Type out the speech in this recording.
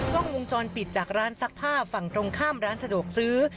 กล้องวงจรปิดจากร้านซักผ้าฝั่งตรงข้ามร้านสะดวกซื้อ